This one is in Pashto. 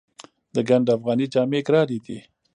د ګنډ افغاني جامې ګرانې دي؟